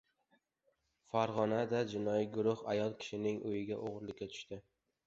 Farg‘onada jinoiy guruh ayol kishining uyiga o‘g‘rilikka tushdi